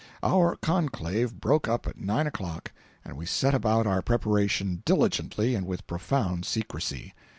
Our conclave broke up at nine o'clock, and we set about our preparation diligently and with profound secrecy.